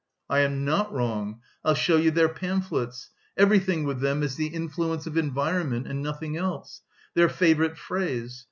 "I am not wrong. I'll show you their pamphlets. Everything with them is 'the influence of environment,' and nothing else. Their favourite phrase!